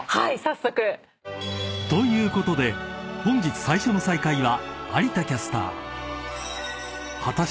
［ということで本日最初の再会は有田キャスター］